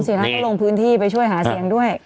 คุณศรีทักษ์ต้องลงพื้นที่ไปช่วยหาเสียงด้วย